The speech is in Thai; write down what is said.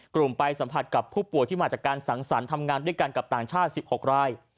ไปสัมผัสกับผู้ป่วยที่มาจากการสังสรรค์ทำงานด้วยกันกับต่างชาติ๑๖ราย